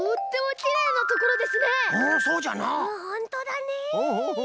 ほんとだね。